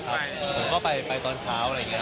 ผมก็ไปตอนเช้าตอนไว้เช่นตอนนี้